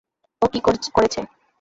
ও কী করেছে?